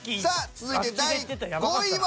続いて第５位は。